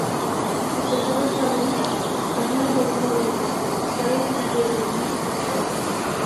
O sector da hostalería española volve mobilizarse, esta vez diante do Tribunal Supremo.